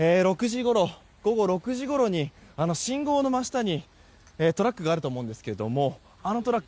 午後６時ごろにあの信号の真下にトラックがあると思うんですがあのトラック